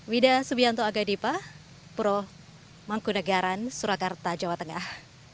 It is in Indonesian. widya subianto agadipa pura mangkunegara surakarta jawa tengah